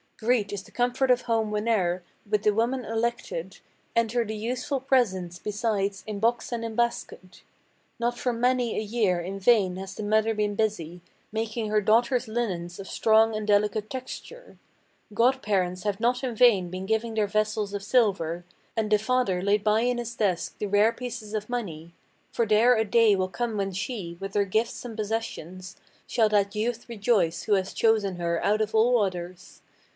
Great is the comfort of home whene'er, with the woman elected, Enter the useful presents, besides, in box and in basket. Not for this many a year in vain has the mother been busy Making her daughter's linens of strong and delicate texture; God parents have not in vain been giving their vessels of silver, And the father laid by in his desk the rare pieces of money; For there a day will come when she, with her gifts and possessions, Shall that youth rejoice who has chosen her out of all others.